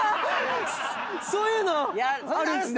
そういうのあるんすか？